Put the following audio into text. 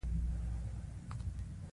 ایا زما مور پاتې کیدی شي؟